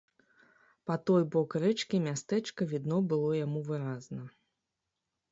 Па той бок рэчкі мястэчка відно было яму выразна.